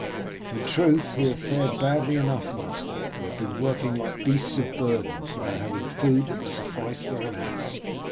"In truth we have fared badly enough, master; we have been working like beasts of burden, without having food that would suffice for an ass.